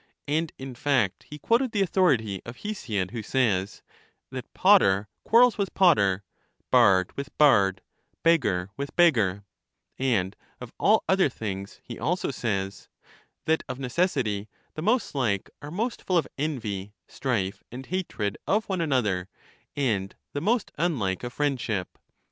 — and in fact he quoted the authority of Hesiod, who says, " That potter quarrels with potter, bard with bard, beggar with beggar; " and of all other things he also says " That of necessity the most like are most full of envy, strife, and hatred of one another, and the most unlike of friendship.